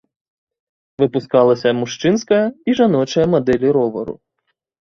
Выпускалася мужчынская і жаночая мадэлі ровару.